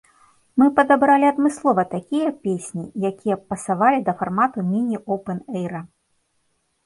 Мы падабралі адмыслова такія песні, якія б пасавалі да фармату міні-опэн-эйра.